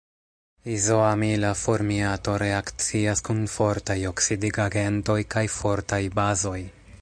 Izoamila formiato reakcias kun fortaj oksidigagentoj kaj fortaj bazoj.